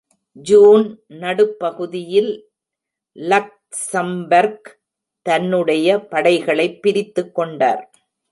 June நடுப்பகுதியில் Luxembourg தன்னுடைய படைகளை பிரித்து கொண்டார்.